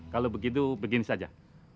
kalau begitu begini saja